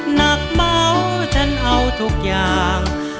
หนักเมาฉันเอาทุกอย่าง